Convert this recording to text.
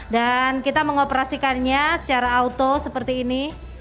dan kita mengoperasikannya secara auto seperti ini